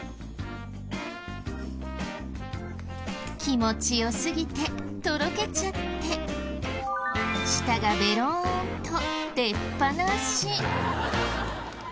気持ちよすぎてとろけちゃって舌がベロンと出っぱなし。